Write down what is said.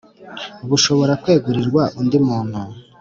bushobora kwegurirwa undi muntu